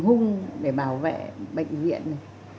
hình hung để bảo vệ bệnh viện này